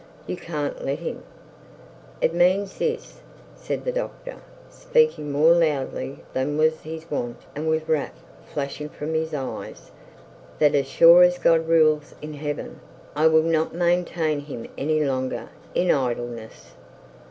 You can't let him live ' 'It means this,' said the doctor, speaking more loudly than was his wont, and with wrath flashing from his eyes; 'that as sure as God rules in heaven, I will not maintain him any longer in idleness.'